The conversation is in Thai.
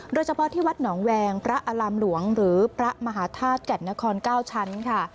โดยเฉพาะที่วัดหนองแวงพระอารามหลวงหรือพระมหาธาตุแก่นนคร๙ชั้นค่ะ